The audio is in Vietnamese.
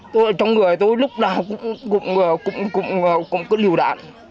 tôi ở trong người tôi lúc nào cũng cứ liều đạn